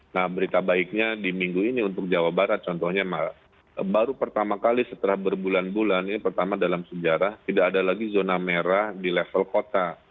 nah berita baiknya di minggu ini untuk jawa barat contohnya baru pertama kali setelah berbulan bulan ini pertama dalam sejarah tidak ada lagi zona merah di level kota